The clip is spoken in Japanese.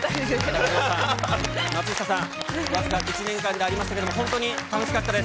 松下さん、僅か１年間でありましたけれども、本当に楽しかったです。